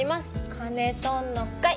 金取んのかい！